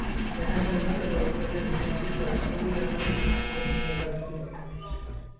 এখানকার বিচারব্যবস্থার যে ভঙ্গুর চিত্র অ্যাটর্নি জেনারেল তুলে ধরলেন, তা ভীতিকর।